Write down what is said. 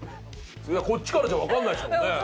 こっちからじゃ分かんないっすもんね。